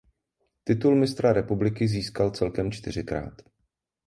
Titul mistra republiky získal celkem čtyřikrát.